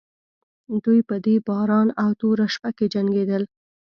دوی په دې باران او توره شپه کې جنګېدل.